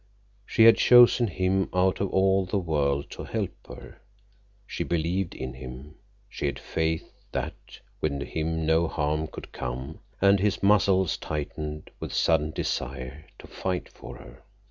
She had chosen him out of all the world to help her; she believed in him; she had faith that with him no harm could come, and his muscles tightened with sudden desire to fight for her.